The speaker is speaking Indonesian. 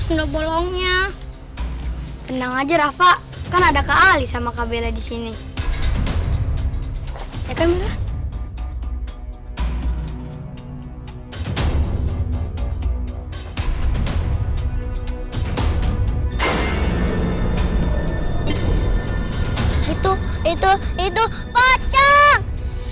bolong bolongnya tenang aja rafa kan ada kak ali sama kabel disini itu itu itu pocong